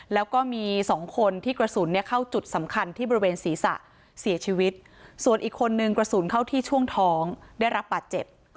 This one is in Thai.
แล้วก็มีสองคนที่กระสุนเนี่ยเข้าจุดสำคัญที่บริเวณศีรษะเสียชีวิตส่วนอีกคนนึงกระสุนเข้าที่ช่วงท้องได้รับบาดเจ็บ